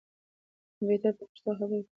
کمپیوټر به په پښتو خبرې کول زده کړي.